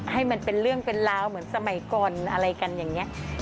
ให้มันเป็นเรื่องเป็นราวเหมือนสมัยก่อนอะไรกันอย่างนี้